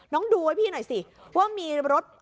น้องดูไว้พี่หน่อยสิว่ามีรถ